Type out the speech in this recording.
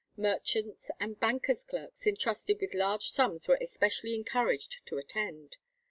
Merchants and bankers' clerks entrusted with large sums were especially encouraged to attend.